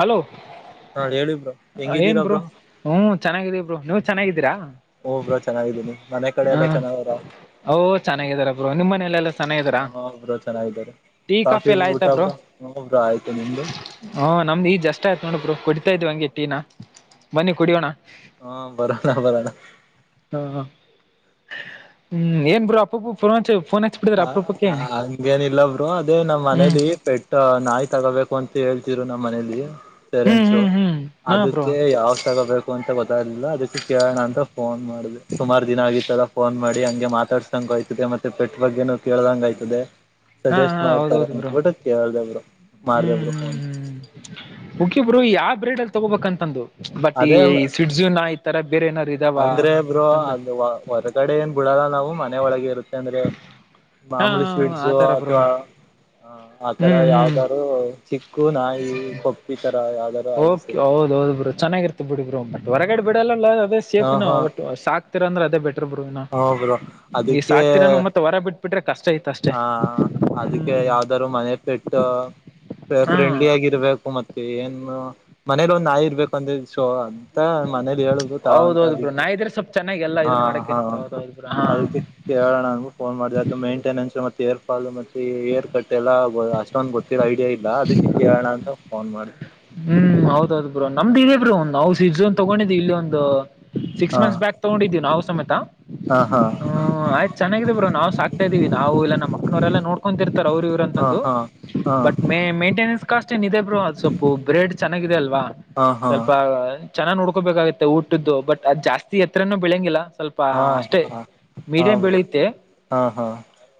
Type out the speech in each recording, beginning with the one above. Hello ಹಾ ಹೇಳಿ bro ಏನ್ ಹೆಂಗಿದ್ದೀರಾ ಬ್ರೋ ಹ್ಮ ಚೆನ್ನಾಗಿದೆೀ ಇಬ್್ರರು ನೀವ್ ಚೆನ್ನಿದ್ದೀರಾ ಹ ಬ್ರೋ ಚೆನ್ನಾಗಿದ್ದೀನಿ ಮನೆ ಕಡೆ ಎಲ್ಲ ಚೆನ್ನಾಗರ ಓ ಚೆನ್ನಾಗಿದ್ದಾರಾ ಬ್ರರು ನಿಮ್ಮ್ ಮನೆಯಲೆಲ್ಲ ಚೆನ್ನಾಗಿದ್ದೀಾರಾ ಹಾ ಬ್ರೋ ಚೆನ್ನಾಗಿದ್ದಾರೆ ಕಾಫಿ ಊಟ ಬ್ರೋ ನಮ್ದು ಆಯ್ತು ನಿಮ್ದು ನಮ್ದ್ ಈಜ್ಷ್ಟ ಆಯ್ತತ್ ನೋಡಬ್ರು ಕುಡಿತಾ ಇದ್ವಿ ಹಂಗೆ ಟ್ಟೀಿನ ಬನ್ನಿ ಕುಡಿಯೋಣ ಹಾ ಬರೋಣ ಬರೋಣ ಹ್ಮ್ ಏನ್ ಬ್ರೋ ಅಪ್ಪರೂಪಕ ಫೋನ ಹಚ್ಚಿ ಫೋನ್ ಹಚ್ಚಿಬಿಟ್ಟಿದ್ರ ಹ ಅಪರೂಪಕ್ಕೆ ಹ್ಞೂ ಹಂಗೇನಿಲ್ಲಬ್ರು ಅದೇ ನಮ್ಮ್ ಮನೆದ ಪೆಟ್ಟ ನಾಯ್ತು ತಗೋಬೇಕು ಅಂತ ಹೇಳ್ತರು ನಮ್ಮ್ ಮನೇಲಿ ಹ್ಞೂ ಹ್ಞೂ ಪೇರೆಂಟ್ಸು ಹ್ಞೂ ಹಾಂ ಬ್ರೋ ಅದಕ್ಕೆ ಯಾವ್ ತಗೋಬೇಕು ಅಂತ ಗೊತ್ತಾಗಿಲ್ಲ ಅದಕ್ಕೆ ಕೇಳೋಣ ಅಂತ ಫೋನ್ ಮಾಡ ಸುಮಾರು ದಿನ ಆಗಿತ್ತಲ್ಲ ಫೋನ್ ಮಾಡಿ ಡಿ ಹಂಗೆ ಮಾತಾಡ್ಸಂಗ ಆಯ್ತದೆ ಮತ್ತೆಟ್ ಬಗ್ಗೆನನು ಕೇಳ್ದಂಗಗೆ ಆಯ್ತದೆ ಹಾಂ ಸಜೆಸ್ಟ್ ಮಾಡ್ತಾರೆ ಅಂತಬಿಟ್ಟಕ್ಕೆ ಕೇಳ್ದ ಬ್ರೋ ಮಾಡ್ದೆ ಹ್ಮ್ ಬ್ರೋ ಹ್ಮ್ ಫೋನ್ ಹ್ಮ್ ಮುಖಿಬರು ಯಾವ ಬ್ರೀಡ್ ಅ ತಗೋಬೇಕಂತಂದು ಬಟ್ ಈ ಅದೇ ಸಿಡ್ಜುನ ನಾಯಿ ಈ ತರ ಬೇರೆ ಏನಾರ ಅಂದ್ರೆ ಬ್ರೋ ಅ ಹೊರಗಡೆ ಏನ್ ಬಿಡಲ್ಲ ನಾವು ಮನೆ ಒಳಗೆ ಇರುತ್ತೆ ಅಂದ್ರೆ ಹಾಂ ಹಾಂ ಮಾಮೂಲಿ ಹಾಂ ಆ ಸ್ವೀಟ್ಸು ಥರ ಬ್ರೋ ಅಥವಾ ಹ ಆತರ ಹ್ಮ್ ಹ್ಮ್ ಯಾವ್ದಾರರು ಚಿಕ್ಕು ನಾಯಿ ಪಪ್ಪು ತರ ಯಾವ್ದಾರರು ಆದ್ರೂ ಸ ಓಕೆ ಹೌದ ಹೌದು ಬ್ರೋ ಚೆನ್ನಾಗಿರ್ತ ಬಿಬರು ಬಟ್ ಹೊರಗಡೆ ಬಿಡಲ್ಲ ಅದೇ ಹಾ ಸೇಫ್ ಹಾ ಬಟ್ ಸಾಕ್ತಿರ ಅಂದ್ರೆ ಅದೇ ಬೆಟರ್ ಹ ಬ್ರೋ ಈ ಸಾಕ್ತಿೀರ ಮತ್ತ ಹೊರ ಬಿಟ್ಟ ಹಾ ಅದಕ್ಕೆ ಹ್ಮ್ ಯಾವ್ದಾರರು ಮನೆ ಪೆಟ್ಟು ಹಾ ಫ್ರೆಂಡ್ಲಿ ಆಗಿರ್ಬೇಕು ಮತ್ತೆ ಏನು ಮನೇಲಿ ಒಂದ ಆಗಿರ್ಬೇಕು ಅಂದ ಶೋ ಅ ಮತ್ತ ಮನೇಲಿ ಹೇಳುದು ತಾವ ಅಂತ ಹೌದೌದು ಬ್ರೋ ನಾ ಅದಿಕ್ಕೆ ಇದ್ರೆ ಸ್ವಲ್ಪ ಚೆನ್ನಾಗಿ ಎಲ್ಲಾ ಹಾ ಇದು ಮಾಡಕ್ ಹಾ ಇರ್ತ ಹೌದೌದು ಬ್ರೋ ಹಾ ಅದಕ್ಕೆ ಕೇಳೋಣ ನನ್ಗು ಫೋನ್ ಮಾಡಿದೆ ಅದು ಮೇಂಟೆನೆನ್ಸ್ ಮತ್ತೆ ಹೇರ್ ಫಾಲ್ ಮತ್ತೆ ಹೇರ್ ಕಟ್ ಎಲ್ಲಾ ಅಷ್ಟೊಂದು ಗೊತ್ತಿರೋ ಐಡಿಯಾ ಇಲ್ಲ ಅದಕ್ಕೆ ಕೇಳೋಣ ಅಂತ ಫೋನ್ ಮಾಡಿ ಹ್ಮ್ ಹೌದೌದ್ ಬ್ರೋ ನಮ್ದು ಇದ ಬ್ರೂ ನಾವು ಸಿಜ ಒ್ ತಗೊಂಡಿದ್ದ್ ಇಲ್ಲಿ ಒಂದು ಸಿಕ್ಸ್ ಹಾ ಮಂತ್ಸ್ ಬ್ಯಾಕ್ ತಗೊಂಡಿದೀವಿ ನಾವು ಸಮೇತ ಹಾ ಹ್ಮ್ ಆಯ್ತ್ ಚೆನ್ನಾಗಿದೇ ಬ್ರೋ ನಾವು ಸಾಕ್ತಾ ಇದೀವಿ ನಾವು ಇಲ್ಲ ನಮ್ಮ ಮನವರೆಲ್ಲ ನೋಡ್ಕೊ ಇರ್ತಾರೆ ಅವರು ಇವ್ರ ಹಾ ಅಂತಂದು ಹಾ ಹಾ ಬಟ್ ಮ ಮೈಂಟೆನೆನ್ಸ್ ಕ್ಕಷ್ಟೇನ್ ಇದೆ ಬರು ಅದು ಸ್ೊಲ್ು ಬ್ರೆಡ್ ಚೆನ್ನಾಗಿದೆ ಅಲ್ವಾ ಹಾ ಸ್ವಲ್ಪ ಹಾ ಚೆನಾಗಿ ನೋಡ್ಕೋಬೇಕಾಗತ್ತೆ ಊಟದ್ದು ಬಟ್ ಅದ್ ಜಾಸ್ತಿ ಎತ್ರನ ಬೆಳಂಗಿಲ್ಲ ಸ್ವಲ್ಪ ಹಾ ಹಾ ಹಾ ಅಷ್ಟೇ ಹಾ ಮೀಡಿಯಂ ಬ್ರೋ ಬೆಳೆಯುತ್ತೆ ಹಾ ಹಾ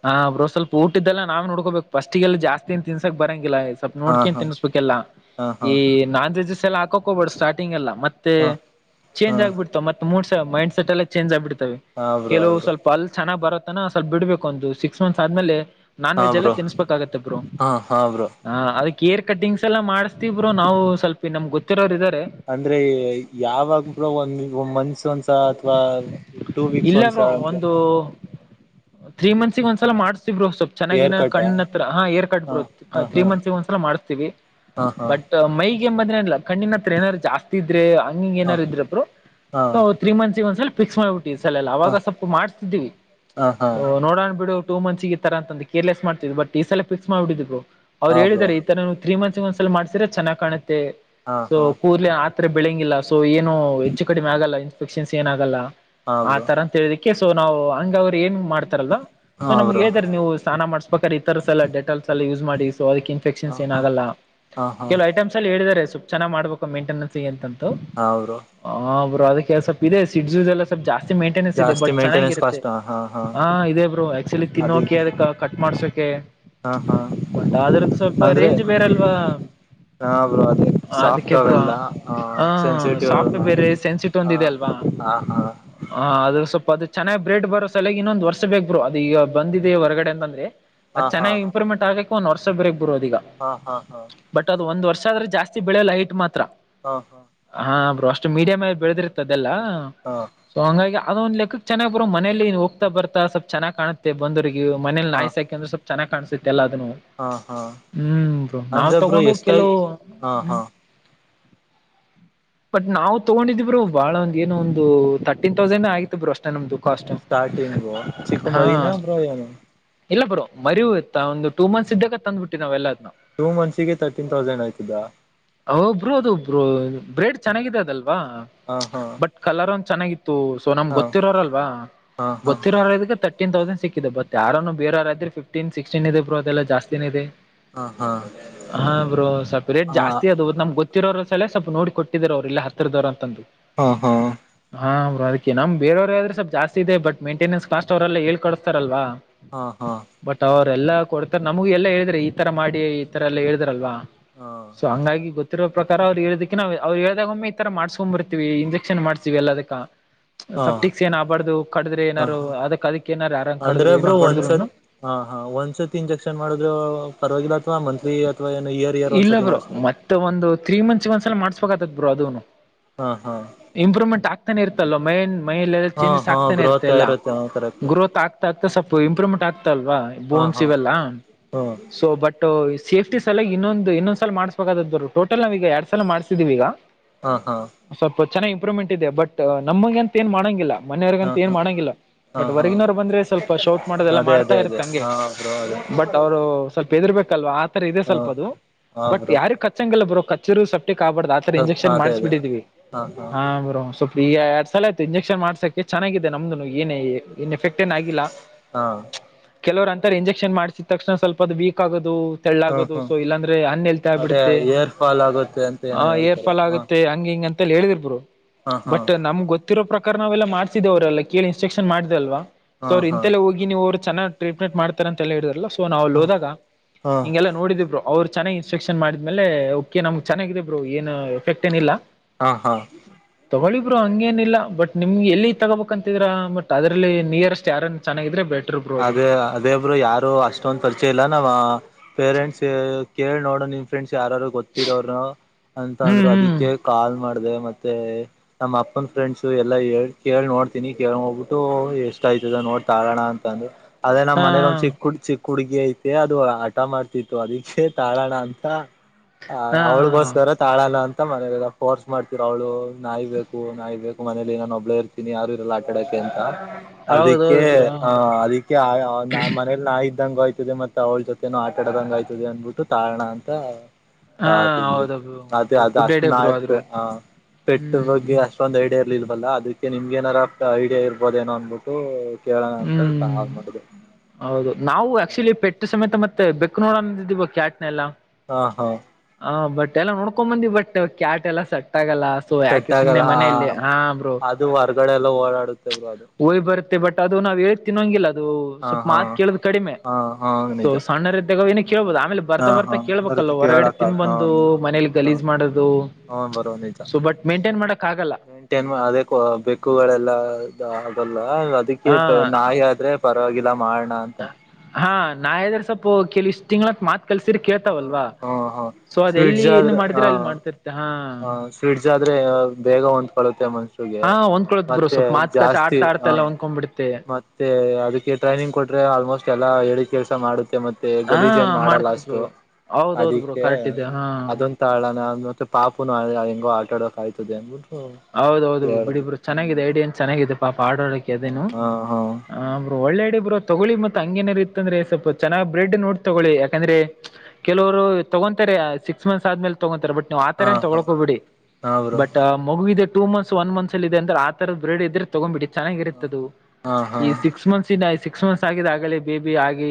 ಆ ಬ ಸ್ವಲ್ಪ ಊಟ್ಟಿದ್ದೆಲ್ಲ ನವು ನೋಡ್ಕೋಬೇಕ ಫಸ್ಟ್ಿಗೆಲ್ಲ ಜಾಸ್ತಿಿನ ತಿನ್ಸಾಕ್ ಬರಗೆ ಗಿಲ್ಲ ಸ್ವಲ್ಪ ಹಾ ನೋಡ್ಕೊಂಡ ಹಾ ತಿನ್ಿಸಬೇಕಲ್ಲಾ ಹಾ ಈ ಹಾ ನಾನ್ ವೆಜಸ್ ಎಲ್ಲ ಹಾಕೋಕ್ ಹೋಗಬಾರ್ದ ಸ್ಟಾರ್ಟಿಂಗ್ಲ್ಲ ಮತ್ತೆ ಹಾ ಹಾ ಚೇಂಜ್ ಆಗ್ಬಿಡ್ತ ಮತ್ತ ಮೂಡ್ಸ ಮೈಂಡ್ ಸೆಟ್ ಎಲ್ಲ ಚೇಂಜ್ ಆಗ್ಬಿಡ್ತ ಹಾ ಬ್ರೋ ಹಾ ಕೆಲವು ಬ್ರೋ ಸ್ವಲ್ಪ ಅಲ್ ಚೆನ್ನಾಗ್ ಬರತ್ತನ ಸ್ವಲ್ಪ ಬಿಡ್ಬೇಕು ಒಂದು ಸಿಕ್ಸ್ ಮಂತ್ಸ್ ಆದ್ಮೇಲೆ ನಾನ್ ಹಾ ವೆಜ್ ಎಲ್ಲ ಬ್ರೋ ತಿನ್ಸ್ಬೇಕಾಗತ್ತ ಬ್ರೋ ಹಾ ಹಾ ಬ್ರೋ ಹ ಅದಕ್ ಹೇರ್ ಕಟ್ಟಿಂಗ್ಸ್ ಎಲ್ಲ ಮಾಡ ಇಬ್ಬರು ನಾವು ಸ್ವಲ್ಪ ನಮ್ ಗೊತ್ತಿರೋರ್ ಇದ ಅಂದ್ರೆ ಯಾವಾಗ್ ಕೂಡ ಒಂದ್ ಮನ್ಸ ಒಂದ ಅಥವಾ ಟೂ ವೀಕ್ಸ್ ಇಲ್ಲ ಒಂದ್ಸ ಬ್ರೋ ಅಂತ ಒಂದು ತ್ರೀ ಮಂತ್ಸಿಗೆ ಒಂದ್ಸಲ ಮಾಡ್ ರು ಸ್ವಲ್ಪ ಹೇರ್ ಚನ್ನಾಗಿನ ಕಟ್ ಕಣ್ಣ ಹತ್ರ ಹಾ ಏರ್ ಕಟ್ ಹಾ ಬ್ರ ಹಾ ತ್ರೀ ಹಾ ಮಂತ್ಸ್ಗ ಒಂದ್ಸಲ ಮಾಡ್ಸ್ತೀವಿ ಹಾ ಹಾ ಬಟ್ ಮೈ ಈ ಬಂದ್ರೆ ಅಲ್ಲ ಕಣ್ಣಿನ ಹತ್ರ ಏನಾರ ಜಾಸ್ ಇದ್ರೆ ಹಂಗಿಂಗ ಏನಾರರು ಇದ್ರಬ್ರು ಹಾ ಬ್ರೋ ಮ ಒಂದ್ಸಲ ಫಿಕ್ಸ್ ಮಾಡ್ಬಿಟ್ಟಿ ಸಲಲ್ಲ ಅವಾಗ ಸ್ವಲ್ಪ ಮಾಡ್ತಿದೀವಿ ಹಾ ಹಾ ಹಾ ಹಾ ನೋಡೋನ್ ಬಿಡು ಟೂ ಮಂತ್ಸ್ ಈ ತರ ಅಂತ ಕೇರ್ಲೆಸ್ ಮಾಡ್ತಿದ್ ಬಟ್ ಈ ಸಲ ಫಿಕ್ಸ್ ಮಾಡಬಿದ್ರು ಅವ್ರು ಹಾ ಬ್ರೋ ಹೇಳಿದಿದ್ದಾರೆ ಈ ತರ ತ್ರೀ ಮಂತ್ಸ್ ಒಂದ್ಸಲ ಮಾಡ್ಸಿದ್ರೆ ಚೆನ್ನ್ ಕಾಣುತ್ತೆ ಹಾ ಸೊ ಹಾ ಕೂರ್ಲೆ ಆತರ ಬೆಳಂಗಿಲ್ಲ ಸೊ ಏನು ಹೆಚ್ಚು ಕಡಿಮೆ ಆಗಲ್ಲ ಇನ್ಫೆಕ್ಷನ್ಸ್ ಏನ ಆಗಲ್ಲ ಹಾ ಆ ಬ್ರೋ ತರ ಅಂತ ಹೇಳಿಕ್ಕೆ ಕೆ ಸೊ ನಾ್ ಹಂಗ ಅವ್ರು ಏನ್ ಮಾಡ್ತಾರಲ್ ಸೊ ಹಾ ನಮ್ಗೆ ಬ್ರೋ ಹೇಳ್ದಾರೆ ನೀವು ಸ್ನಾನ ಮಾಡ್ಸ ಇತಥರ ಸ ಎಲ್ಲ ಡೆಟಾಸ್ ಎಲ್ಲ ಯೂಸ್ ಮಾಡಿ ಸೊ ಅದಕ್ಕೆ ಹಾ ಇನ್ಫೆಕ್ಷನ್ಸ್ ಹಾ ಏನಾಗಲ್ಲ ಹಾ ಹಾ ಕೆಲವು ಐಟಮ್ಸ್ ಎಲ್ಲಿ ಹೇಳಿದಿದ್ದಾರೆ ಸುತ್ತ ಚೆನ್ನಾಗ ಮಾಡ್ಬೇಕು ಮೇಂಟೆನೆನ್ಸ್ ಅಂತಂತೂ ಹಾ ಬ್ರೋ ಆ ಒಬ್ರು ಅದ ಕೆಲ್ಸ ಇದೆ ಸಿಡ್ಸುಸ್ ಎಲ್ಲ ಸ್ವಪ ಜಾಸ್ತಿ ಮೇಂಟೆನೆನ್ಸ್ ಇದೆ ಜಾಸ್ತಿ ಬಟ್ ಮೇಂಟೆನೆನ್ಸ್ ಚೆನ್ನಾಗಿರುತ್ತೆ ಕಾಸ್ಟ್ ಹಾ ಹಾ ಹಾ ಹ ಇದೆ ಬ್ರರು ಆಕ್ಚುಲಿ ತಿನೋಕೆ ಅದಕ್ಕೆ ಅದ ಕಟ್ ಮಾಡ್ಸೋ ಹಾ ಹಾ ಟ ಅ್ರದ್ದು ಸ್ವಲ್ಪ ಅಂದ್ರೆ ರೇಂಜ್ ಬೇರೆಲ್ವಾ ಹಾ ಬ್ರೋ ಅದೇ [inaudible] ಸಾಫ್ಟ್ ಅದಕ್ಕೆಬ್ರ ಅವೆಲ್ಲ ಹ ಸೆನ್ಸಿಟಿವ್ ಸಾಫ್ಟ್ ಬೇರೆ ಸೆನ್ಸಿಟಿವ ಒಂದ ಹಾ ಇದೆ ಅಲ್ವಾ ಹಾ ಹಾ ಹ ಅದ್ರ ಸ್ವಪ ಅದು ಚೆನ್ನಾಗಿ ಬ್ರೇಡ್ ಬರೋ ಸಲಯಾಗಿ ಇನ್ನೊಂದು ವರ್ಷ ಬೇಕ ಬರು ಅದು ಈಗ ಬಂದಿದೆ ಹೊರಗಡೆ ಅಂತಂದ್ರೆ ಅ ಹಾ ಹಾ ಚೆನ್ನಾಗಿ ಇಂಪ್ರೂವ್ಮೆಂಟ್ ಆಗಕ್ಕೆ ಒಂದ್ ವರ್ಷ ಬ್ರೇಕ್ ಬರೋದ ಈಗ ಹಾ ಹಾ ಹಾ ಬಟ್ ಅದು ಒಂದ್ ವರ್ಷ ಆದ್ರೆ ಜಾಸ್ತಿ ಬೆಳೆೋ ಲೈಟ್ ಮಾತ್ರ ಹಾ ಹಾ ಹಾ ಅಷ್ಟು ಮೀಡಿಯಂ ಬೆಳೆದಿರ್ತ ಅದೆಲ್ಲ ಹಾ ಸೊ ಹಂಗಾಗಿ ಅದೊಂದು ಲೆಕ್ಕಕ್ ಚೆನ್ನಾಗಿ ಬರೋ ಮನೇಲಿ ಹೋಗ್ತಾ ಬತಾ ಸ್ವಲ್ ಚನ್ನಾಗಿ ಕಾಣುತ್ತೆ ಬಂದ್ರರಿಗೆ ಮನೇ ನ ಹಾ ಆಯಸ್ ಹಾಕ ಒಂದ ಸ್ವಪ ಚನ್ನಾಗ ಕಾಣ್ಸೆ ಎಲ್ಲ ಅದನು ಹಾ ಹಾ ಹ್ಮ್ ನಾವ್ ಅಂದ್ರೆ ತಗೊಂಡು ಕೆಲವು ಹ್ಮ್ ಹ [inaudible] ಬಟ್ ನಾವವು ತಗೊಂಡಿದೀವರು ಬಹಳ ಒಂದ ಏನೋ ಒಂದು ತರ್ಟನ್ ತೌಸಂಡ್ ಆಗಿತ್ತು ಬರು ಅಷ್ಟೇ ನಮ್ದು ಕಾಸ್ಟ್ ಸ್ಟಾರ್ಟಿಂಗ್ ಚಿಕ್ಕ ಹಾ ಮರಿನಾ ಪ್ರಯಾಣ ಇಲ್ಲ ಬರೋ ಮರಿಯ ಒಂದು ಟ ಮಂತ್ಸ್ ಇದ್ದಾಗ ತಂದ್ಬ ಬಿಟ್ಟಿ ನಾವ ಎಲ್ಲದ್ ಟೂ ಮಂತ್ಸಿಗೆ ತರ್ಟೀನ್ ತೌಸಂಡ್ ಆಯ್ತಿದ್ದಾ ಹಬ್ರು ಅದು ಒಬ್ರು ಬ್ರೆಡ್ ಚೆನ್ನಾಗಿದೆ ಅದಲ್ವಾ ಹಾ ಹಾ ಬಟ್ ಕಲರ್ ಒಂದ ಚೆನ್ನಾಗಿ ಸೊ ನಮ್ಗೆ ಗೊತ್ತಿರೋರಲ್ವಾ ಹಾ ಹಾ ಗೊತ್ತಿರೋರ ಇದಕ್ಕೆ ತ ಫ್ಟೀನ್ ತೌಸಂಡ್ ಸಿಕ್ಕಿದೆ ಬತ್ ಯಾರು ಬೇ ಯಾರ ಇದ್ರೆಫ್ಟನ್ ಸಿಕ್ಸ್ಟನ್ದೆ ಬ್ರೋ ಅದೆಲ್ಲ ಜಾಸ್ನ ಇದೆ ಹಾ ಹಾ ಹಾ ಬ್ರೋ ಸ್ವಲ್ಪ ರೇಟ್ ಹಾ ಹಾ ಜಾಸ್ತಿ ಅದ ನಮ್ ಗೊತ್ತ ಹಿರೋರ ಸ ಸ್ವಲ್ಪೋಡಿ ಕೊಟ್ಟಿದರು ಅವರುಲ್ಲ ಹರದವರ ಅಂತಂದು ಹಾ ಹಾ ಹಾ ಬ್ರೋ ಅದಕ್ಕೆ ನಮ ಬೇರವ್ರಾವ್ರ ಸ್ಲ್ ಜಾಸ್ ಇದೆ ಬಟ್ ಮೈಂಟೆನೆನ್ಸ್ ಕಸ್ಟ್ ಅವರೆಲ್ಲ ಹಳ್ಕಡ್ಸ್ತಾರಲ್ವಾ ಹಾ ಹಾ ಎಲ್ಲಾ ಕೊಡ್ತಾರೆ ನಮಗಗೆ ಎಲ್ಲಾ ಹೇಳಿದ್ರೆ ಈ ತರ ಮಾಡಿ ಈ ತರ ಎಲ್ಲ ಹೇಳಿದ್ರಲ್ವಾ ಸೊ ಹಂಗಾಗಿ ಗೊತ್ತಿರೋ ಪ್ರಕಾರ ಅವ್ರು ಹೇಳದಕಿ ನ ಅವ್ರು ಹೇಳ್ದಾಗೊಮ್ಮೆ ಈ ತರ ಮಾಡ್ಸ್ಕೊ ಬರ್ತಾರೆ ವಿ ಇಂಜೆಕ್ಷನ್ ಮಾಡ್ತೀವಿ ಎಲ್ಲದಕ್ಕ ಹಾ ಸಫ್ಟಿಕ್ಸ್ ಏನಬಾರ್ದು ಕಡದ್ರೆ ಏನಾರು ಹಾ ಅದಕ್ ಅದಕ್ ಏನಾರ ಯಾರಂಗ ಕಡಿದ್ರು ಏನ ಬಡ್ದ್ರುನು ಹ ಒಂದ್ಸತಿ ಇಂಜೆಕ್ಷನ್ ಮಾಡ್ರರು ಪರವಾಗಿಲ್ಲ ಅಥವಾ ಮಂತ್ಲಿ ಅಥವಾ ಏನು ಇಯರ್ ಇಯರ್ ಇಲ್ಲ ಒಂದ್ಸತಿ ಬರು ಮಾಡ್ಸ್ಬೇಕು ಮತ್ತೆ ಒಂದು ತ್ರೀ ಮಂತ್ಸ್ ಒಂದ್ಸಲ ಮಾಡ ಬ ಅದುನು ಹಾ ಹಾ ಇಂಪ್ರೂವ್ಮೆಂಟ್ ಆಗ್ತಾನೆ ಇರ್ತಲ್ ಮೇನ್ ಮೈಲೆಲ್ಲ ಹಾ ಚೇಂಜಸ್ ಹಾ ಆಗ್ತಾನೆ ಗ್ರೋತ್ ಇರ್ತ್ತೆಲ್ಲ ಇರುತ್ತೆ ಹ ಕರೆಕ್ಟ್ ಗ್ರೋತ್ ಆಗ್ತಾ ಆಗ್ತಾ ಸ್ವಲ್ಪ ಇಂಪ್ರೂವ್ಮೆಂಟ್ ಆಗ್ತ ಅಲ್ವಾ ಹಾ ಬೋನ್ಸ್ ಹಾ ಇವೆಲ್ಲಾ ಹ್ಮ ಸೊ ಬಟ್ ಸೇಫ್ಟಿ ಸಲಲ್ ಇನ್ನೊಂದು ಇನ್ನೊಂದು ಸಲಲ್ ಮಾಡ್ಬೇಕಾದದ್ದರು ಟೋಟಲ್ ನಾವ ಈಗ ಎಡ್ ಸಲ ಮಾಡ್ಸಿದೀವಿ ಈಗ ಹಾ ಹಾ ಸ್ವಲ್ಪ ಚೆನ್ನಾಗಿ ಇಂಪ್ರೂವ್ಮೆಂಟ್ ಇದೆ ಬಟ್ ನಮ್ಗ ಅಂತ ಏನ್ ಮಾಡಂಗಿಲ್ಲ ಹಾ ಮನೆಯವರ್ಗಂತ ಏನ್ ಹಾ ಮಾಡಂಗಿಲ್ಲ ಹಾ ಬಟ್ ಹಾ ಹೊರ್ಗಿನವರು ಬಂದ್ರೆ ಸ್ವಲ್ಪ ಶೌಟ್ ಮಾಡದೆಲ್ಲ ಅದೇ ಮಾಡ್ತಾ ಅದೇ ಇರುತ್ತ ಅದೇ ಹಂಗೆ ಹಾ ಬ್ರೋ ಅದೇ ಬಟ್ ಅವ್ರು ಸ್ವಲ್ಪ ಎದುರು ಬ ಲ್ವಾ ಆತರ ಇದೆ ಹಾ ಸ್ವಲ್ಪ ಅದು ಹಾ ಬಟ್ ಬ್ರೋ ಯಾರಿಗೆ ಕಚ್ಚಂಗಲ್ಲ ಬರೋ ಕಚ್ಚಿರು ಸ ಕಾಬಾರ್ದ ಆತರ ಇಂಜೆಕ್ಷನ್ ಅದೇ ಮಾಡಿಸ್ಬ ಅದೇ ಬಿಟ್ಟಿದ್ವಿ ಹಾ ಹಾ ಹಾ್ರೋ ಈಗ ಎರಡ್ ಸಲ ಆಯ್ತು ಇಂಜೆಕ್ಷನ್ ಮಾಡಸಕ್ಕೆ ಚೆನ್ನಾಗಿದೆ ನಮ್ದುನು ಏ ಏನ್ ಎಫೆಕ್ಟ್ ನ್ ಆಗಿಲ್ಲ ಹಾ ಕೆಲವರು ಅಂತಾರೆ ಇಂಜೆಕ್ಷನ್ ಮಾಡ್ಸಿದ ತಕ್ಷಣ ಸ್ವಲ್ಪ ಅದು ವೀಕ್ ಆಗದು ಹಾ ತೆಳ್ಳಾಗದು ಹಾ ಸೊ ಇಲ್ಲಾಂದ್ರೆ ಹಣ್ಣ ಎಲ್ತಾ ಅದೇ ಬಿಿಡುತ್ತೆ ಏರ್ ಫಾಲ್ ಆಗುತ್ತೆ ಅಂತ ಏನೋ ಆ ಏರ್ ಹೇಳ್ತಾರೆ ಫಾಲ್ ಹ ಆಗುತ್ತೆ ಹಂಗ ಹಿಂಗಂತ ಹೇಳಿದಿರ್ಬರು ಹಾ ಹಾ ಬಟ್ ನಮ್ಗ್ ಗೊತ್ತಿರ ಪ್ರಕಾರ ನಾವೆಲ್ಲಾ ಮಾಡ್ಸಿದೇ ಅವ್ರಲ್ಲ ಕೇಳಿ ಇನ್ಸ್ಟ್ರಕ್ಷನ್ ಮಾಡಿದೆಲ್ವಾ ಸೊ ಹಾ ಅವ್ರರು ಹಾ ಇಂತೆಲ್ಲ ಹೋಗಿ ನೀವು್ ಅವ್ರು ಚೆನ್ನ್ ಟ್ರೀಟ್ಮೆಂಟ್ ಮಾಡ್ತಾರಂತೆಲ್ಲಾ ಹೇಳಿದ್ರಲ್ಲ ಸೊ ನಾವ್ ಅಲ್ಲಿ ಹೋದಾಗ ಹಾ ಹಿಂಲ್ಲ ನೋಡಿದೆ ಬ್ರರು ಅವ್ರು ಚನ್ನಾಗಿ ಇನ್ಸ್್ರೆಕ್ಷನ್ ಮಾಡಿದ್ಮೇಲೆ ಓಕೆ ನಮ್ಗ್ ಚೆನ್ನಾಗಾಗಿದೆ ಬ್ರರು ಏನು ಎಫಕ್ಟ್ ಏನಿಲ್ಲ ಹಾ ಹಾ ತೊಗೊಳ್ಳಿಬರು ಹಂಗೇನಿಲ್ಲ ಬಟ್ ನಿಮ್ಗೆ ಎಲ್ಲಿ ತಗೋಬೇಕಂತಿದ್ರಾ ಬಟ್ ಅದರಲ್ಲಿ ನಿಯರೆಸ್ಟ್ ಯಾರನ್ ಚೆನ್ನಾಗಿದ್ರೆ ಬೆ ಅದೇ ಅದೇ ಒಬ್ರು ಯಾರು ಅಷ್ಟೊಂದ ಪರಿಚೆ ಇಲ್ಲ ನಾವ ಪೇರೆಂಟ್ಸ್ ಕೇಳಳ್ ನೋಡೋ ನಿನ್ ಫ್ರೆಂಡ್ಸ್ ಯಾರಾರು ಗೊತ್ತಿರೋರು ಹ್ಮ್ ಅಂತಂದ್ರು ಹ್ಮ್ ಅದಕ್ಕೆ ಕಾಲ್ ಮಾಡ್ದ ಮತ್ತೆ ಮತ್ತೆ ನಮ್ಮ್ ಅಪ್ಪನ್ ಫ್ರೆಂಡ್ಸ್ ಎಲ್ಲಾ ಕೇಳಳ್ಿ ನೋಡ್ತೀನಿ ಕೇಳ ಹೋಗ್ಬಿಟ್ಟು ಎಷ್ಟ ಆಯ್ತದ ನೋ ತಾಳೋಣ ಅಂತ ಅಂದ ಅದೇ ನಮ್ಮ ಹಾ ಮನಗ್ ಒಂದ್ ಚಿಕ್ಕು ಚಿಕ್ಕ ಕುಡ್ಗಿ ಐತೆ ಅದು ಆಟ ಮಾಡ್ತಿತ್ತು ಅದಿಕ್ಕೆ ತಾಳೋಣ ಅಂತ ಹ ಹಾ ಅವ್ಳಗೋಸ್ಕರ ತಾಳಾನ ಅಂತ ಮತ್ತ ಮನೆಯಲ್ಲಿಲ್ಲ ಫೋರ್ಸ್ ಮಾಡ್ತೀರ ಅವಳು ನಾಯ್ಬೇಕು ನಾಯ್ಬೇಕು ಮನೇಲಿ ನಾನು ಒಬ್ಬಳ ಇತಿನಿ ಯಾರು ಇಲ್ಲ ಡಂತ ಅದಕ್ಕೆ ಹೌದೌದು ಬ್ರೋ ಆ ಅದಕ್ಕೆ ನಾ ಮನೇಲಿ ನಾ ಇದಂಗ ಆಯ್ತದೆ ಮತ್ತ ಅವಳ ಜೊತೆನೋ ಆಟ ಆಡೋದಂಗ ಆಯ್ತದೆ ಅಂದ್ಬಿಟ್ಟು ತಾಣ ಅಂತ ಹಾ ತ ತಿಿಂದ ಹೌದು ಬ್ರೋ ಅದೇ ಅದ ಗುಡ್ ಅಷ್ಟು ಐಡಿಯಾ ಬ್ರೋ ನಯತ್ೆ ಆದ್ರು ಹ ಪೆಟ್ಟ ಹ್ಮ್ ಬಗ್ಗೆ ಅಷ್ಟೊಂದು ಐಡಿಯ ಇರ್ಲಿಲ್ಲ ಲ್ಲ ಅದಕ್ಕೆ ನಿಮ್ಗೆ ನಾರ ಐಡಿಯಾ ಇರ್ಬೋದೇನೋ ಅನ್ಬಿಟ್ಟು ಕೇಳೋಣ ಅ ಹ್ಮ್ ಹೌದು ನಾವು ಆಕ್ಚುಲಿ ಪೆಟ್ಟ ಸಮೇತ ಮತ್ತೆ ಇಕ್ೂರಂದ ಇದ ಕ್ಯಾಟ್ನೆಲ್ಲ ಹಾ ಹಾ ಎಲ್ಲ ನೋಡ್ಕೊಂಡ್ ಬಂದ್ ಬಟ್ ಕ್ಯಾಟ್ ಎಲ್ಲ ಸಟ್ ಆ ಲ್ಲ ಸೊ ಸೆಟ್ ಯಾಕ ಸಮನೆ ಆಗಲ್ಲ ಹಾ ಮನೆಯಲ್ಲಿ ಹಾರು ಅದು ಹೊರ್ಗಡೆ ಎಲ್ಲ ಓಡಾಡುತ್ತೆ ಬ್ರೋ ಅದು ಹಯ್ ಹ್ಮ್ ಬರುತ್ತೆ ಬಟ್ ಅ ಅದು ನಾವ್ ಹೇಳ್ತೀನಂಗಿಲ್ಲ ಅದು ಹಾ ಸ್ವಲ್ಪ ಹಾ ಮಾತ್ ಕೇಳುದು ಕಡಿಮೆ ಹಾ ಹಾ ಸೊ ನಿಜ ಸಣ್ಣ್ದಗನ ಕೇಳ್ಬೋದು ಆಮೇಲೆ ಹಾ ಬರ್ತಾ ಹಾ ಬರ್ತಾ ಕೇಳ್ಬೇಕಲ್ಲ ಬರುತ್ತೆ ಹೊರಗಡೆ ಕೇಳಕ ತಿನ್ ಬಂದು ಮನೇಲಿ ಗಲೀಜ್ ಮಾಡೋದು ಹನ್ ಬರುವಂದೈ ಸೊ ಬಟ್ ಮೇಂಟೈನ್ ಮಾಡಕ್ ಆಗಲ್ಲ ಮಂಟನ್ ಅದ ಬೆಕ್ಕುಗಳೆಲ್ಲ ಆಗಲ್ಲ ಅದಕ್ಕೆ ಹ ನಾಯಿ ಆದ್ರೆ ಪರವಾಗಿಲ್ಲ ಮಾಡ ಹಾ ನಾ್ರೆ ಸ್ವಲ್ಪ ಕೆಲ ಇಷ್ಟ್ ತಿಂಗಳಕ್ ಮಾತ್ರ ಕೆಲ್ಸೀರಿ ಹ ಕೇಳ್ತಾವಲ್ವಾ ಹಾ ಹಾ ಸೊ ಅದ ಸ್ವಿಡ್ಜ್ ಎಲ್ಲಿ ಏನ್ ಆದ್ರೆ ಹಾ ಮಾಡಿದ್ರೆ ಅಲ್ಲಿ ಮಾಡ್ತಿರ್ತ್ತ ಹಾ ಹ ಸ್ವೀಟ್ಸ್ ಆದ್ರೆ ಬೇಗ ಹೊಂದಕೊಳ್ಳುತ್ತೆ ಮನ್ಸರಿಗೆ ಹಾ ಹೊಂದ್ಕೊಳತ್ ಬ್ರೋ ಮತ್ತೆ ಸ್ವಲ್ಪ ಮಾತುಕತೆ ಜಾಸ್ತಿ ಆಡ್ತಾ ಆಡ್ತಾ ಹ ಎಲ್ಲ ಹೊಂದ್ಕೊಂಡ್ಬಿಡುತ್ತೆ ಮತ್ತೆ ಅದಕ್ಕೆ ಟ್ರೈನಿಂಗ್ ಕೊಟ್ರೆ ಆಲ್ಮೋಸ್ಟ್ ಎಲ್ಲಾ ಹೇಳಿ ಕೆಲ್ಸ ಮಾಡುತ್ತೆ ಮತ್ತೆ ಹಾ ಗಲೀಜನ್ ಮಾಡಲ್ಲ ಮಾಡತ್ ಬ್ರೋ ಅಷ್ಟು ಹೌದೌದು ಬ್ರೋ ಅದಿಕ್ಕೆ ಕರೆಕ್ಟ್ ಇದೆ ಹಾ ಅದೊ ತಾಳಣ ಮತ್ತೆ ಪಾಪುನು ಹೆಂಗೋ ಆಟ ಆಡೋಕ ಆಾಯ್ತದೆ ಅಂಗ ಹೌದೌದು ಬಿಡಿಬ್ರು ಚನ್ನಾಗಿದೆ ಐಡಿಯಾಏನ್ ಚೆನ್ನಾಗಿದೆ ಪಾಡಾಡಕ್ ಅದೇನು ಹಾ ಹಾ ಆ ಬರು ಒಳ್ಳೆಡಿಬ್ರು ತಗೊಳ್ಳಿ ಮತ್ತ ಹಂಗೇನರು ಇತ್ತ ಅಂದ್ರೆ ಸ್ವಲ್ಪ ಚೆನ್ನಾಗಿ ಬ್ರೆಡ್ ನೋಡಿ ತಗೊಳ್ಳಿ ಯಾಕಂದ್ರೆ ಕೆಲವರು ತಗೊಂತಾರೆ ಸಿಕ್ಸ್ ಮಂತ್ಸ್ ಆದ್ಮೇಲೆ ತಗೋಂತಾರೆ ಬಟ್ ನ್ ಹಾ ಆತರ ಹಾ ತಗೊಳ್ಕೋಬಿಡಿ ಹಾ ಬ್ರೋ ಬಟ್ ಇದೆಟ ಮಂತ್ಸ್ ಒನ್ ಮಂತ್ಸ್ಲ್ಲದೆ ಅ್ರೆ ಆ ತರದ ಬ್ರಡ್ ಇದ್ರೆ ತಗೊಂಡ್ ಬಿಟ್ಟು ಚೆನ್ನಾಗಿರುತ್ತದು ಹಾ ಹಾ ಈ ಸಿಕ್ಸ್ ಮಂತ್ಸ್ ಇ ಸಿಕ್ಸ್ ಮಂತ್ಸ್ ಆಗಿದ ಆಗಲೇ ಬೇಬಿ ಆಗಿ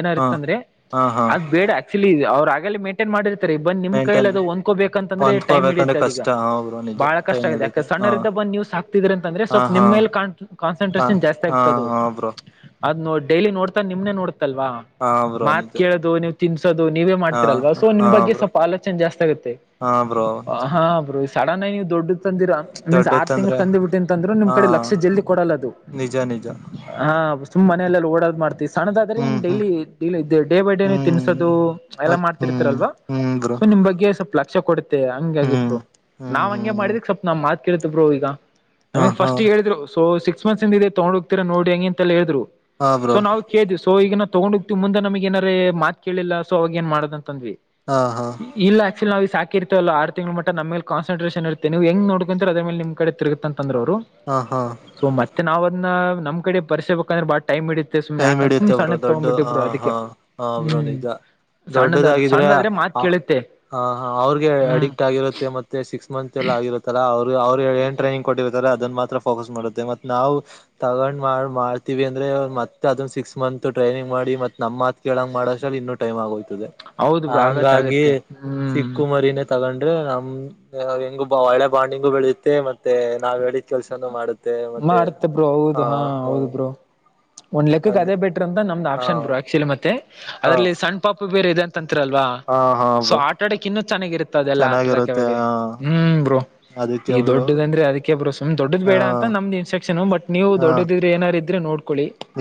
ಏನರಾ ಹಾ ಇತ್ತಂದ್ರೆ ಹಾ ಹಾ ಅದು ಬೇಡ ಆಕ್ಚುಲಿ ಅವ್ರು ಆ ಮೈಂಟೈನ್ ಮಾಡಿತ್ತ ಬಂದ್ ನಿಮ್ ಕೈಲಿ ಮೇಂಟೇನ್ ಅದು ಹೊಂದ್ಕೋಬೇಕಂತಂದ್ರೆಟೈಮ್ ಹೊಂದ್ಕೋಬೇಕಂದ್ರೆ ಹಿಡಿಯುತ್ತೆ ಅದು ಈಗ ಕಷ್ಟ ಹಾ ಬ್ರೋ ನಿಜ ಬಹಳ ಕಷ್ಟ ಟೈಮ್ ಆಗಿದೆ ಯಾಕೆ ಹಿಡಿಯುತ್ತೆ ಹಾ ಸಣ್ಣದಂದ ಬಂದ ನ್ಯೂಸ್ ಸಾಕುತಿದರಿ ಅಂದ್ರೆ ಹಾ ಸ್ವಲ್ಪ ಹಾ ನಿಮ್ಮ ಮೇಲೆ ಹಾ ಕನ್ಸಟ್ರಷನ್ ಜಾಸ್ತಿ ಹಾ ಆಗ್ತದೇ ಅದು ಹಾ ಬ್ರೋ ಅದ್ ನೋ ಡೈಲಿ ನೋಡ್ತಾ ನಿಮ್ನೆ ನೋಡ್ತಲ್ವಾ ಹಾ ಬ್ರೋ ಮಾತ್ ನಿಜ ಕೇಳೋದು ನೀವು ನೀವೇ ಹಾ ಮಾಡ್ತೀರಲ್ವಾ ಸೊ ನಿಮ್ ಹಾ ಬಗ್ಗೆ ಬ್ರೋ ಸ್ವಲ್ಪ ಆಲೋಚನೆ ಜಾಸ್ತಿ ಆಗುತ್ತೆ ಹಾ ಬ್ರೋ ಹಾ ಬ್ರೋ [unintelligible] ತಂದಿರ ಮೀನ್ಸ್ ಆರ್ ತಿಂಗ್ ದೊಡ್ಡದಂದ್ರೆ ತಂದಿ ಬಿಟ್ಟುಂತ ಅಂದ್ರೆ ನಿಮ್ ಹಾ ಕಡೆ ಲಕ್ಷ ಜಲ್ದಿ ಕೊಡಲ್ಲ ಅದು ನಿಜ ನಿಜ ಹಾ ಸುಮ್ಮ್ ಮನಲ್ಲೆ ಓಡೋದ್ ಮಾಡ್ತೀ ಸಣ್ಣದಾದ್ರೆ ನಿಮ್ ಹ್ಮ್ ಹ್ಮ್ daily daily day by day ಹ್ಮ್ ತಿನ್ಸೋದು ಎಲ್ಲ ಮತ್ ಹ್ಮ್ ಮಾಡ್ತಿರ್ತರಲ್ವಾ ಹ್ಮ್ ಬ್ರೋ ಸೊ ನಿಮ್ ಬಗ್ಗೆ ಸ್ವಲ್ಪ ಲಕ್ಷ ಕೊಡುತ್ತೆ ಹಂಗಾಗಿ ಹ್ಮ್ ಬ್ರೋ ಹ್ಮ್ ನಾವು ಹಂಗೆ ಹ್ಮ್ ಹ್ಮ್ ಮಾಡಿದಕ್ಕೆ ಸ್ವಲ್ಪ ನಮ್ ಮಾತ್ ಕೇಳಿತು ಈಗ ಹಾ ನಮಗ್ ಹಾ ಫಸ್ಟ್ ಹೇಳಿದ್ರು ಸೊ ಸಿಕ್ಸ್ [unintelligible] ತಗೊಂಡು ಹೋಗ್ತೀರಾ ನೋಡಿ ಅಂಗೆ ಅಂತ ಎಲ್ಲ ಹೇಳಿದ್ರು ಹಾ ಸೊ ಬ್ರೋ ನಾವು ಕೇಳ್ದ್ ಸೊ ಈಗ ತಗೊಂಡ್ ಹೋಗ್ತಿವಿ ಮುಂದ ನಮಗ್ ಏನಾರ ಮಾತ್ ಕೇಳಿಲ್ಲ ಸೋ ಅವಾಗ ಏನ್ ಮಾಡದ ಅಂದ್ವಿ ಹಾ ಹಾ ಇಲ್ಲ ಆಕ್ಚುಲಿ ನಾವು ಈಗ ಸಾಕಿಇರ್ತವಲ್ಲ ಆರು ತಿಂಗಂಗಳು ಮಟ್ಟ ನಮ್ಮೇಲ್ ಕಾನ್ಸನ್ಟ್ರೇಷನ್ ಇರುತ್ತೆ ನೀವು ಹೆಂಗ್ ನೋಡ್ಕೊಂತೀರಾ ನಿಮ ಕಡೆ ತಿರುಗತ್ತಂತ ಅಂದ್ರು ಅವರು ಹಾ ಹಾ ಸೋ ಮತ್ತೆ ನಾವು ಅದನ್ನ ನಮ್ ಕಡೆ ಭರ್ಸೆಬೇಕಂದ್ರೆ ಬಾ ಟೈಮ್ ಹಿಡಿಯುತ್ತೆ ಬ್ರೋ ದೊಡ್ಡ ಹ ಬ್ರೋ ಅದಕ್ಕೆ. ಹಾ ಹ ಬ್ರೋ ಹ್ಮ್ ನಿಜ ಸಣ್ಣದ ದೊಡ್ಡದಾಗಿದ್ರೆ ಸಣ್ಣದಾದ್ರೆ ಮಾತ್ ಹ ಕೇಳುತ್ತೆ ಅವ್ರಗೆ ಹ್ಮ್ ಅಡಿಕ್ಟ್ ಆಗಿರುತ್ತೆ ಮತ್ತೆ ಮಂತ್ ಎಲ್ಲ ಆಗಿರುತ್ತಲ್ಲ ಅವರು ಅವ್ರು ಏ ಟ್ರೈನೀಗ್ ಕೊಟ್ಟಿರ್ತಾರೆ ಅದನ್ನ ಮಾತ್ರ ಫೋಕಸ್ ಮಾಡುತ್ತೆ ಮತ್ ನಾವು ತಗೊಂಡು ಮಾಡ ಮಾಡ್ತೀವಿ ಅಂದ್ರೆ ಮತ್ತೇ ಅದನು ಸಿಕ್ಸ್ ಮಂತ್ ಟ್ರೈನಿಂಗ್ ಮಾಡಿ ಮತ್ ನಮ್ಮ ಮಾತ್ ಕೇಳಂಗ ಮಾಡೋ ಆಸ್ಟರ್ಲಿ ಇನ್ನ ಟೈಮ್ ಆಗಿಹೋಯ್ತು ಹೌದು ಬ್ರೋ ಆಗತ್ ಹಂಗಾಗಿ ಆಗತ್ತೆ ಹ್ಮ್. ಚಿಕ್ಕು ಮರಿನೇ ತಗೊಂಡು ಅದ್ದೇ ನಮ್ ಹೆಂಗು ಒಳೆ ಬಾಂಡಿಂಗು ಬೆಳುತ್ತೆ ಮತ್ತೆ ನಾವ್ ಹೇಳಿದ ಕೆಲ್ಸನು ಮಾಡುತ್ತೆ ಮತ್ತೆ ಮಾಡುತ್ತೆ ಬ್ರೋ ಹೌದು ಹ ಹಾ ಹೌ ಹೌದು ಬ್ರೋ ಒಂದು ಲೆಕ್ಕಕ್ ಹಂಗ ಅದೇ ಬೆಟ್ರು ಅಂತ ನಮ್ದ್ ಆಪ್ಷನ್ ಬ್ರೋ ಹಾ ಆಕ್ಚುಲಿ ಮತ್ತೆ ಹಾ ಅದ್ರಲ್ಲಿ ಸಣ್ಣ ಪಾಪು ಬೇರೆ ಇದೆ ಅಲ್ವಾ ಹಾ ಹಾ ಸೊ ಬ್ರೋ ಆಟ ಆಡಕ್ಕೆ ಇನ್ನೂ ಚೆನ್ನಾಗಿರುತ್ತ ಅದೆಲ್ಲಾ ಆಟ ಆಡಕ್ಕೆ ಚೆನ್ನಾಗಿರುತ್ತೆ ಅವಗೇ ಹ ಹ್ಮ್ ಬ್ರೋ ಅದಕ್ಕೆ ಈ ಬ್ರೋ ದೊಡ್ಡ ಅಂದ್ರೆ ಅದಕ್ಕೆ ಬ್ರೋ ಸುಮ್ ದೊಡ್ಡ ಹಾ ಬೇಡ ಅಂತ ನಮ್ದ ಇಸ್ಟ್ರಕ್ಷನ್ ಬಟ್ ನೀವು ಹಾ ದೊಡ್ಡದು ಇದ್ದರೆ ಏನಾರ ಇದ್ರೆ ನೋ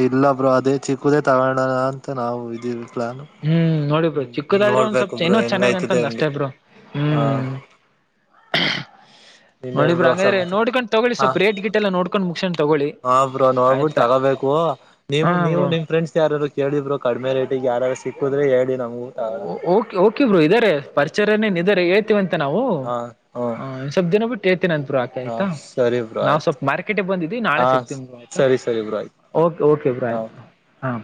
ಇಲ್ಲ ಬ್ರೋ ಅದೇ ಚಿಕ್ಕುದೇ ತಗೋಳೋಣ ಅಂತ ನಾವು ಇದೀವಿ ಪ್ಲಾನ್ ಹ್ಮ್ ನೋಡಿ ಬ್ರೋ ಹ್ಮ್ ಚಿಕ್ಕದಾದ್ರೆ ಒಂದ್ ನೋಡ್ಬೇಕು ಸ್ವಲ್ಪ್ ಬ್ರೋ ಇನ್ನೂ ಚೆನ್ನಾಗ ಅಂತ ಹೆಂಗಯ್ತದೆ ಹಂಗೆ ಅಷ್ಟೇ ಬ್ರೋ ಹಾ ಹ್ಮ್ [inaudible] ನೋಡಿ ಇನ್ನೇನ್ ಬ್ರೋ ಹಂಗಾದ್ರೆ ಸಮಾಚಾರ ನೋಡ್ಕೊಂಡು ತಗೊಳ್ಳಿ ಹಾ ಸ್ವಲ್ಪ್ ರೇಟ್ ಗಿಟೆಲ್ಲ ನೋಡ್ಕೊಂಡು ಮುಗಿಸಿಕೊಂಡು ಹಾ ಬ್ರೋ ನೋಡ್ಬಿಟ್ಟ ತಗೋಬೇಕು ನೀವು ಹಾ ನೀವು ಬ್ರೋ ನಿಮ್ ಫ್ರೆಂಡ್ಸ್ ಯಾರ್ನಾರು ಕೇಳಿ ಬ್ರೋ ಕಡಿಮೆ ರೇಟಿಗೆ ಯಾರ್ನಾರು ಸಿಕ್ಕುದ್ರೆ ಹೇಳಿ ನಮಗೂ ತಗೋಳಣ ಓಕೆ ಓಕೆ ಬ್ರೋ ಇದ್ದಾರೆ ಪರಿಚಯ ಏನು ಇದಾರೆ ಹೇಳ್ತೀವಂತ ನಾವು ಹಾ ಹ್ಮ ಸ್ವಲ್ಪ ದಿನ ಬಿಟ್ಟು ಹೇಳ್ತೇನಿ ಅಂತ ಆಕೆ ಹಾ ಆಯ್ತಾ ಸರಿ ಬ್ರೋ ನಾವು ಆಯ್ತು ಸ್ವಲ್ಪ ಮಾರ್ಕೆಟ್ಗೆ ಬಂದಿದ್ದ ನಾಳೆ ಹಾ ಸಿಗ್ತೀನಿ ಬ್ರೋ ಆಯ್ತಾ ಸರಿ ಸರಿ ಬ್ರೋ ಆಯ್ತು ಓಕೆ ಓಕೆ ಬ್ರೋ ಹಾ ಆಯ್ತ ಹ